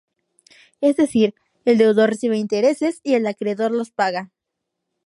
Es decir, el deudor recibe intereses y el acreedor los paga.